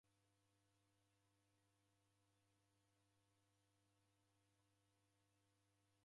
Odineka memu yezitiria